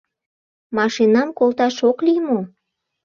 — Машинам колташ ок лий мо?